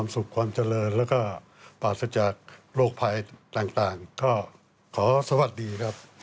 สวัสดีครับ